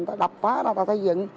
người ta đập phá ra người ta xây dựng